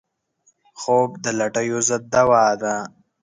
خوب د لټیو ضد دوا ده